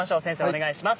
お願いします。